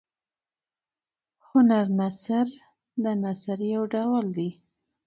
هنر نثر د نثر یو ډول دﺉ.